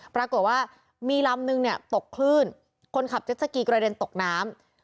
ปรากฏว่ามีลำนึงเนี่ยตกคลื่นคนขับเจ็ดสกีกระเด็นตกน้ำ